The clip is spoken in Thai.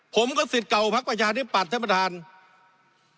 ผมก็ศิษย์เก่าภักดิ์ประชาธิบัตรท่านประธานฮะ